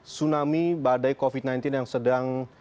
tsunami badai covid sembilan belas yang sedang